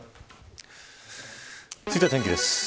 続いては天気です。